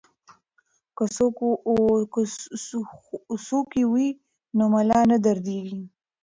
که څوکۍ وي نو ملا نه دردیږي.